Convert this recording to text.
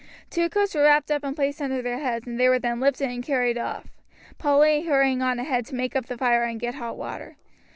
Two coats were wrapped up and placed under their heads, and they were then lifted and carried off, Polly hurrying on ahead to make up the fire and get hot water.